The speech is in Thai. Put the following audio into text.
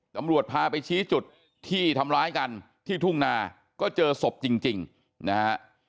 ตำรวจพาไปชี้จุดที่ทำร้ายกันที่ทุ่งนาก็เจอศพจริงนะฮะ